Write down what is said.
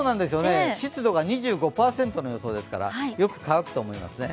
湿度が２５％の予想ですから、よく乾くと思いますね。